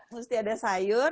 mesti ada sayur